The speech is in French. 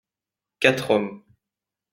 Quatre hommes.